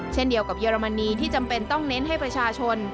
เช่นเดียวกับเยอรมนีที่จำเป็นต้องเน้นให้ประชาชน